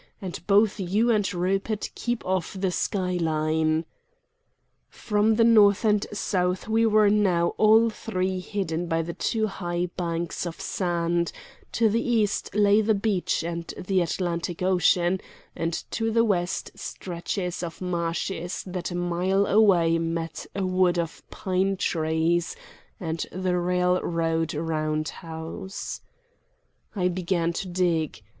And both you and Rupert keep off the sky line!" From the north and south we were now all three hidden by the two high banks of sand; to the east lay the beach and the Atlantic Ocean, and to the west stretches of marshes that a mile away met a wood of pine trees and the railroad round house. I began to dig.